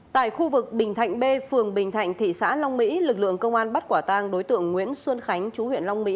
tại khu vực bình thạnh b phường bình thạnh thị xã long mỹ lực lượng công an bắt quả tang đối tượng nguyễn xuân khánh chú huyện long mỹ